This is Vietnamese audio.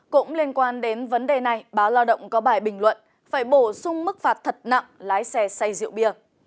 cũng liên quan đến vấn đề này báo lao động có bài bình luận phải bổ sung mức phạt thật nặng lái xe xay rượu bia